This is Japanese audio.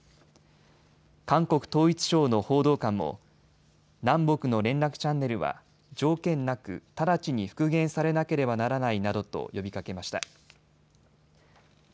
韓国統一省の報道官も南北の連絡チャンネルは条件なく直ちに復元されなければならないなどと呼びかけました。